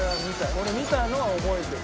俺見たのは覚えてる。